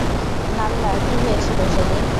নাল্লা, কী হয়েছিল সেদিন?